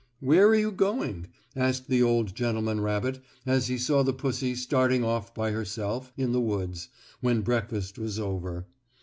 "Where are you going?" asked the old gentleman rabbit as he saw the pussy starting off by herself in the woods, when breakfast was over.